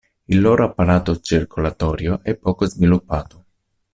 Il loro apparato circolatorio è poco sviluppato.